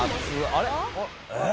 あれ？